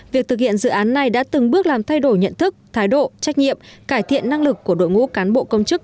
việc thực hiện dự án này đã từng bước làm thay đổi nhận thức thái độ trách nhiệm cải thiện năng lực của đội ngũ cán bộ công chức